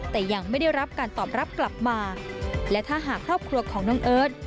แต่ยังไม่ได้รับการตอบรับกลับมาและถ้าหากครอบครัวของน้องเอิร์ท